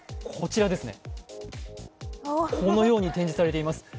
こちらですね、このように展示されています。